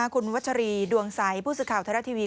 คุณวัชรีดวงใสผู้สื่อข่าวไทยรัฐทีวี